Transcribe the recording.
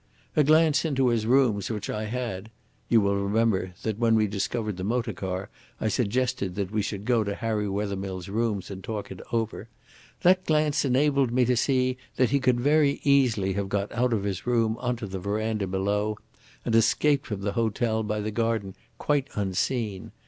A glance into his rooms which I had you will remember that when we had discovered the motor car I suggested that we should go to Harry Wethermill's rooms and talk it over that glance enabled me to see that he could very easily have got out of his room on to the verandah below and escaped from the hotel by the garden quite unseen.